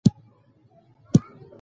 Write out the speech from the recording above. لنډه کاري اونۍ تولید ته هم وده ورکوي.